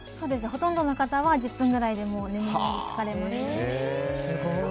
ほとんどの方は１０分くらいで眠りにつかれますね。